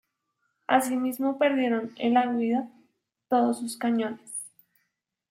Asimismo perdieron en la huida todos sus cañones.